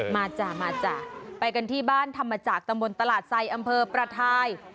จ้ะมาจ้ะไปกันที่บ้านธรรมจากตำบลตลาดไซดอำเภอประทาย